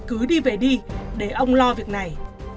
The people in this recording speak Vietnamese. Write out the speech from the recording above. cứ đi về đi để ông lo việc này